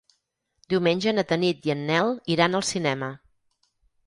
Diumenge na Tanit i en Nel iran al cinema.